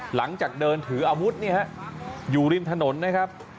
หลังจากเดินถืออาวุธอยู่ริมถนนนะครับ